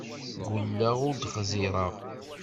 Ggulleɣ ur d-xẓireɣ.